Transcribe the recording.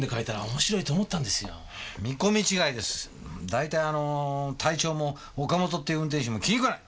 大体あの隊長も岡本っていう運転手も気に食わない！